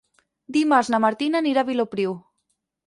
Dimarts na Martina anirà a Vilopriu.